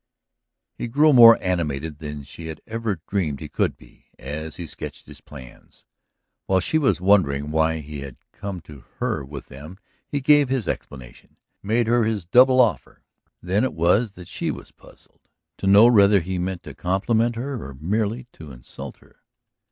He grew more animated than she had ever dreamed he could be, as he sketched his plans. While she was wondering why he had come to her with them he gave his explanation, made her his double offer. Then it was that she was puzzled to know whether he meant to compliment her or merely to insult her.